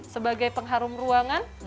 sebagai pengharum ruangan